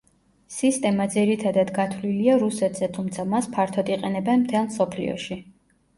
სისტემა ძირითადად გათვლილია რუსეთზე თუმცა მას ფართოდ იყენებენ მთელ მსოფლიოში.